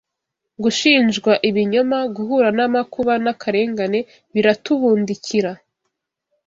Gushinjwa ibinyoma, guhura n’amakuba n’akarengane biratubundikira.